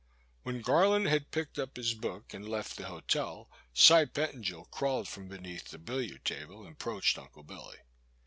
When Garland had picked up his book and left the hotel, Cy Pettingil crawled from beneath the billiard table and approached Uncle Billy.